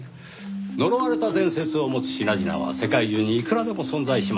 呪われた伝説を持つ品々は世界中にいくらでも存在します。